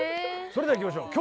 それではいきましょう